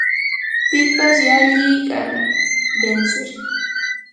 pipas llalliy ganar, vencer